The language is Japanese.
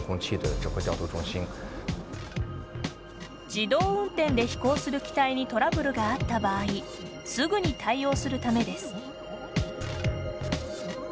自動運転で飛行する機体にトラブルがあった場合すぐに対応するためです。